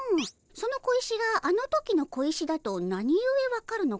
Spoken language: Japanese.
その小石があの時の小石だとなにゆえ分かるのかの？